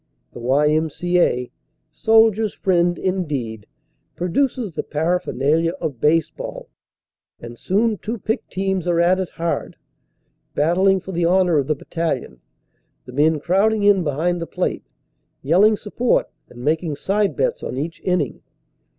The Y.M.C.A., "Soldiers Friend" indeed, produces the para phernalia of baseball, and soon two picked teams are at it hard, battling for the honor of the battalion, the men crowding in behind the plate, yelling support and making side bets on each inning.